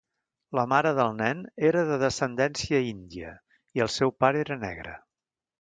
La mare del nen era de descendència índia i el seu pare era negre.